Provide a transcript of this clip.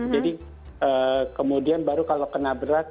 jadi kemudian baru kalau kena berat